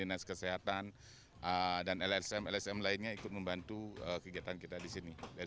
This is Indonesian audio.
nah satu satu ini ya